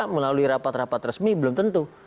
melalui rapat rapat resmi belum tentu